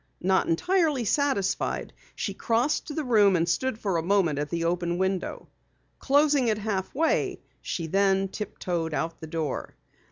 Not entirely satisfied she crossed the room and stood for a moment at the open window. Closing it half way, she then tiptoed out the door.